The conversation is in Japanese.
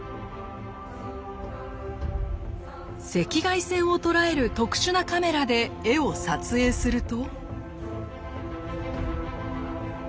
赤外線を捉える特殊なカメラで絵を撮影すると。